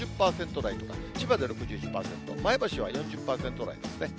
５０％台とか、千葉で６１％、前橋は４０％台ですね。